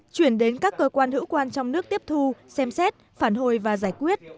chuyển đến các cơ quan hữu quan trong nước tiếp thu xem xét phản hồi và giải quyết